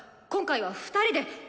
今回は２人で！